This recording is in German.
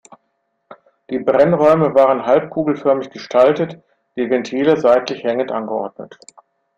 Die Brennräume waren halbkugelförmig gestaltet, die Ventile seitlich hängend angeordnet.